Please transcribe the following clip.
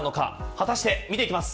果たして見ていきます。